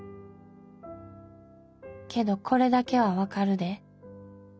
けどこれだけはわかるで。